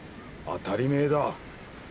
当たりめえだ。